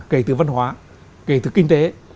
kể từ văn hóa kể từ kinh tế